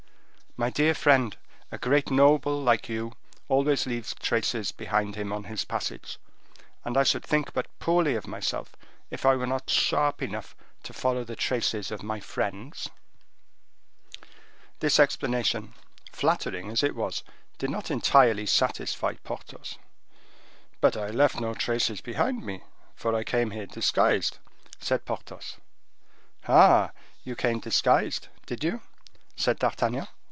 "My dear friend, a great noble like you always leaves traced behind him on his passage; and I should think but poorly of myself, if I were not sharp enough to follow the traces of my friends." This explanation, flattering as it was, did not entirely satisfy Porthos. "But I left no traces behind me, for I came here disguised," said Porthos. "Ah! You came disguised did you?" said D'Artagnan.